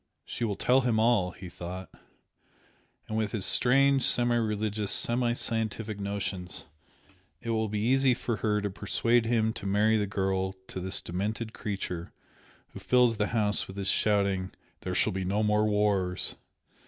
"She will tell him all" he thought "And with his strange semi religious, semi scientific notions, it will be easy for her to persuade him to marry the girl to this demented creature who fills the house with his shouting 'There shall be no more wars!'